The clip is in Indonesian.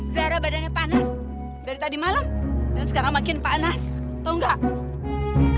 zaira badannya panas dari tadi malam dan sekarang makin panas tau gak